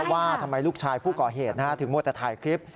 ว่าทำไมลูกชายผู้ก่อเหตุถึงมัวแต่ถ่ายคลิป